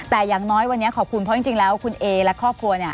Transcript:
แต่อย่างน้อยวันนี้ขอบคุณเพราะจริงแล้วคุณเอและครอบครัวเนี่ย